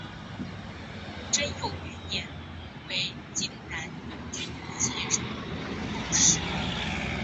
贞佑元年为静难军节度使。